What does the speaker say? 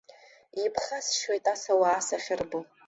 Иԥхасшьоит ас ауаа сахьырбо.